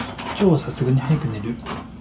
今日は流石に早く帰る。